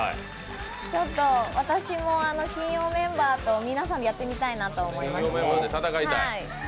ちょっと私も金曜メンバーの皆さんとやってみたいなと思いまして。